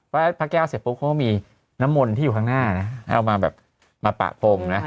ไหว้พระแก้วเสพพก็มีน้ำมนต์ที่อยู่ข้างหน้านะเอามาแบบมาปะพรมนะ